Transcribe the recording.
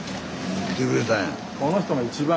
来てくれたんや。